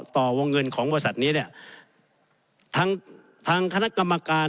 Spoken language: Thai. ต่อวงเงินของบริษัทนี้เนี่ยทางทางคณะกรรมการ